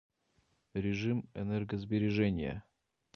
Режим энергосбережения